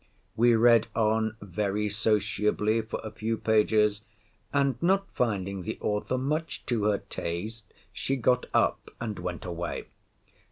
We read on very sociably for a few pages; and, not finding the author much to her taste, she got up, and—went away.